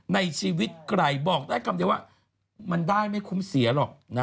ในชีวิตใครบอกได้คำเดียวว่ามันได้ไม่คุ้มเสียหรอก